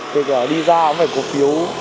kể cả đi ra cũng phải có phiếu